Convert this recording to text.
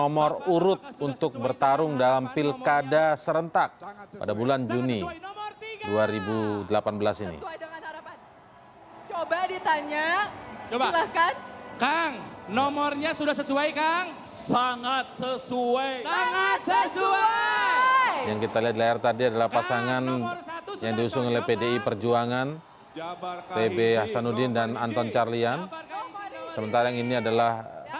maksudnya kamu dia tuh